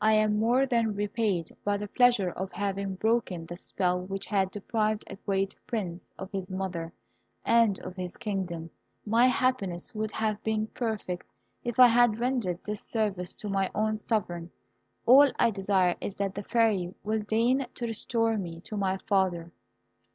I am more than repaid by the pleasure of having broken the spell which had deprived a great prince of his mother and of his kingdom. My happiness would have been perfect if I had rendered this service to my own sovereign. All I desire is that the Fairy will deign to restore me to my father."